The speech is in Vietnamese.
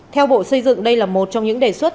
theo bộ xây dựng đây là một trong những đề xuất